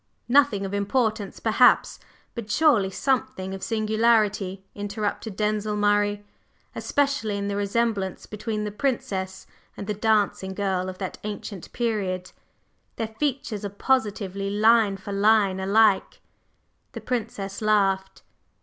"Nothing of importance, perhaps, but surely something of singularity," interrupted Denzil Murray, "especially in the resemblance between the Princess and the dancing girl of that ancient period, their features are positively line for line alike." The Princess laughed.